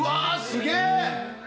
すげえ！